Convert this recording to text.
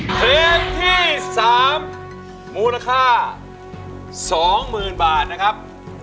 เพลงที่๓มูลค่า๒๐๐๐บาทนะครับ